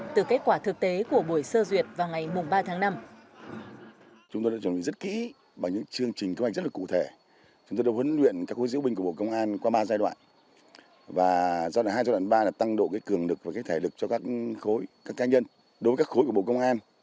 từ kết quả thực tế của buổi sơ duyệt vào ngày ba tháng năm